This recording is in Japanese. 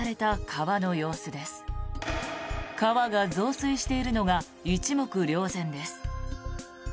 川が増水しているのが一目瞭然です。